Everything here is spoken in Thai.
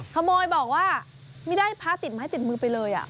เขาบอกว่าไม่ได้พระติดไม้ติดมือไปเลย